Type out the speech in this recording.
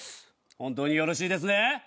本当によろしいですね？